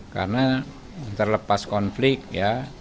karena terlepas konflik ya